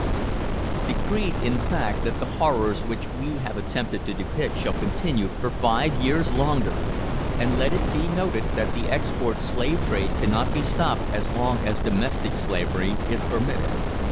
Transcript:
Decreed, in fact, that the horrors which we have attempted to depict shall continue for five years longer! And let it be noted, that the export slave trade cannot be stopped as long as domestic slavery is permitted.